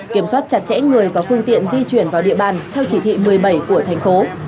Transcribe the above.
kiểm soát chặt chẽ người và phương tiện di chuyển vào địa bàn theo chỉ thị một mươi bảy của thành phố